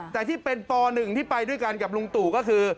แต่ที่เป็นป๑ที่ไปด้วยกันกับลุงตู่ก็คือ